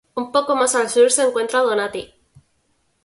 Un poco más al sur se encuentra Donati.